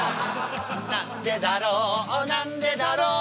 「なんでだろうなんでだろう」